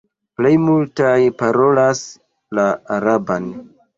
Plej multaj parolas la araban.